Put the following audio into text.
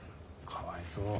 かわいそう。